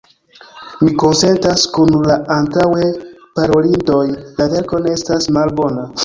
Mi konsentas kun la antaŭe parolintoj – la verko ne estas malbona.